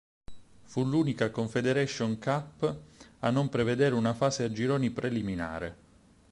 Fu l'unica Confederations Cup a non prevedere una fase a gironi preliminare.